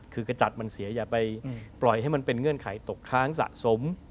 คือกระจัดมันเสียอย่าไปปล่อยให้มันเป็นเงื่อนไขตกค้างสะสม